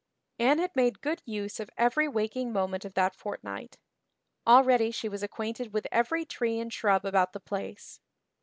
Anne had made good use of every waking moment of that fortnight. Already she was acquainted with every tree and shrub about the place.